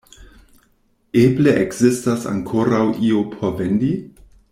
Eble ekzistas ankoraŭ io por vendi?